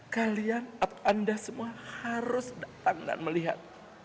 kalian atau anda semua harus datang dan melihat